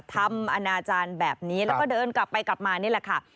ทำอนาจารย์แบบนี้แล้วก็เดินกลับไปกลับมานี่แหละค่ะ